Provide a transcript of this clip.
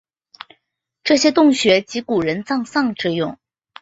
这些洞穴即古人丧葬之用。